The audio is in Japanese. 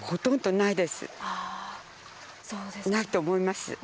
ないと思います。